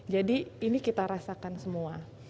jadi ini kita rasakan semua